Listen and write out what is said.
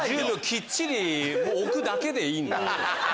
１０秒きっちり置くだけでいいんだよ。